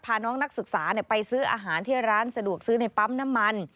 พาน้องนักศึกษาไปซื้ออาหารที่ร้านสะดวกซื้อในปั๊มน้ำมัน